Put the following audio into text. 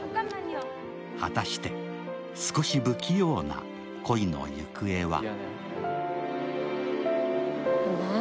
果たして少し不器用な恋の行方は？